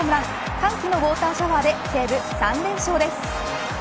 歓喜のウォーターシャワーで西武、３連勝です。